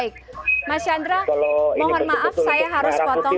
kalau ini berjepit untuk merah putih